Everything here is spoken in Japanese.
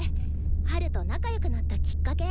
ハルと仲よくなったきっかけ。